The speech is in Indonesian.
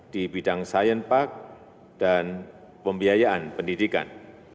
di bidang sains pak dan pembiayaan pendidikan